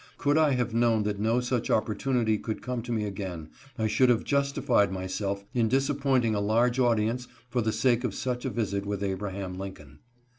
Could I have known that no such oppor tunity could come to me again, I should have justified myself in disappointing a large audience for the sake of such a visit with Abraham Lincoln.